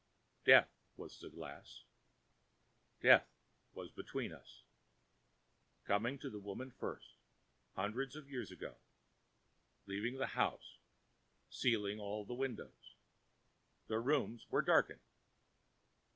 Death was the glass; death was between us; coming to the woman first, hundreds of years ago, leaving the house, sealing all the windows; the rooms were darkened.